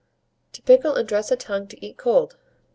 TO PICKLE AND DRESS A TONGUE TO EAT COLD.